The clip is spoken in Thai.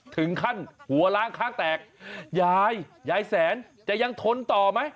ถึงขั้นหัวล้างข้างแตกยายยายแสนจะยังทนต่อไหม